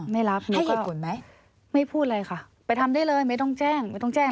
ไม่รับหนูก็ไม่พูดอะไรค่ะไปทำได้เลยไม่ต้องแจ้งไม่ต้องแจ้ง